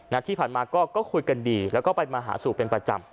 ที่ผ่านมาก็คุยกันดีแล้วก็ไปมาหาสู่เป็นประจำ